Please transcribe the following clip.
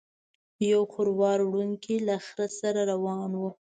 یو خروار وړونکی له خره سره روان و.